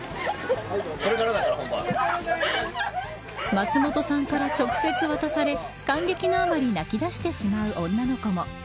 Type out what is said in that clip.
松本さんから直接渡され感激のあまり泣き出してしまう女の子も。